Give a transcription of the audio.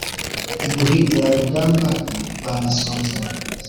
iguhindura rugamba rw'amasunzu